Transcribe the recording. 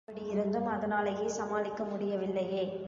அப்படி யிருந்தும், அதனாலேயே, சமாளிக்க முடியவில்லையே!